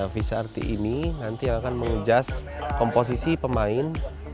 vcrt ini nanti akan mengejas komposisi pemain